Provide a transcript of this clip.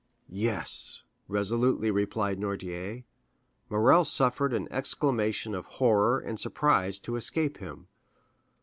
"Yes," resolutely replied Noirtier. Morrel suffered an exclamation of horror and surprise to escape him.